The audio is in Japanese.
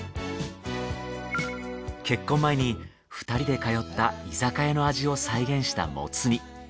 結婚前に２人で通った居酒屋の味を再現したモツ煮。